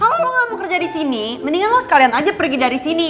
kalo lo gak mau kerja disini mendingan lo sekalian aja pergi dari sini